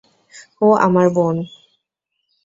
ও আমার বোন।